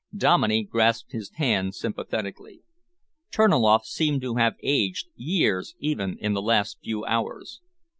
Dominey grasped his hand sympathetically. Terniloff seemed to have aged years even in the last few hours.